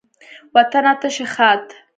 وطنه ته شي ښاد